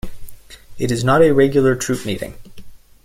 It is not a regular troop meeting.